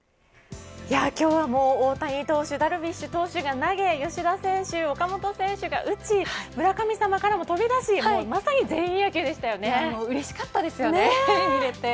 今日は大谷投手ダルビッシュ投手が投げ吉田選手、岡本選手が打ち村神様からも飛び出しうれしかったですよね見れて。